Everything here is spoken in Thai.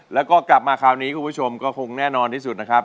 แล้วก็กลับมาคราวนี้คุณผู้ชมก็คงแน่นอนที่สุดนะครับ